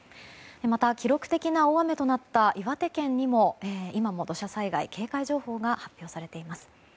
また、記録的な大雨となった岩手県にも今も土砂災害警戒情報が発表されています。